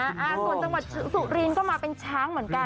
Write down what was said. จังหวัดสุรินทร์ก็มาเป็นช้างเหมือนกัน